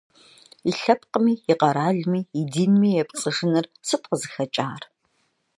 И лъэпкъми, и къэралми, и динми епцӀыжыныр сыт къызыхэкӀар?